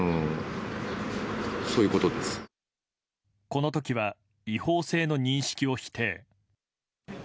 この時は違法性の認識を否定。